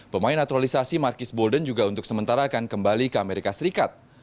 pemain naturalisasi markis bolden juga untuk sementara akan kembali ke amerika serikat